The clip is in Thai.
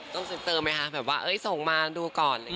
ต้องเสริมเติมไหมคะแบบว่าเอ๊ยส่งมาดูก่อน